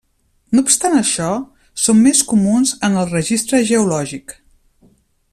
No obstant això, són més comuns en el registre geològic.